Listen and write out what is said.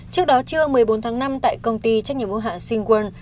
trước đó trưa một mươi bốn tháng năm tại công ty trách nhiệm ưu hạ sinh quân